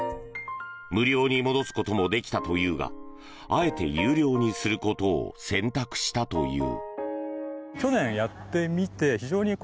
無料に戻すこともできたというがあえて有料にすることを選択したという。